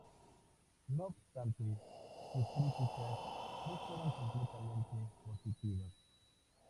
No obstante, sus críticas no fueron completamente positivas.